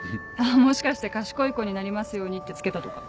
もしかして賢い子になりますようにって付けたとか？